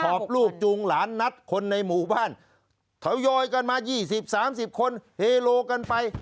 อบลูกจูงหลานนัดคนในหมู่บ้านทยอยกันมา๒๐๓๐คนเฮโลกันไป